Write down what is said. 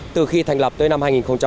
từ khi thành lập tới năm hai nghìn một mươi